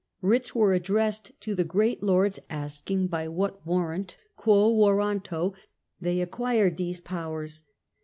Writs were addressed to the great lords asking by what warrant {quo warranto) they acquired these powers.